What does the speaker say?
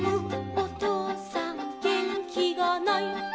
おとうさんげんきがない」